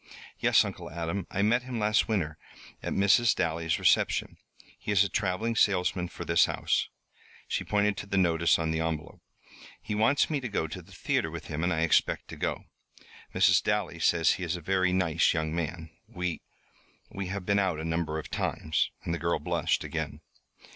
"Yes, Uncle Adam. I met him last winter, at Mrs. Dally's reception. He is a traveling salesman for this house," she pointed to the notice on the envelope. "He wants me to go to the theatre with him, and I expect to go. Mrs. Dally says he is a very nice young man. We we have been out a number of times." And the girl blushed again.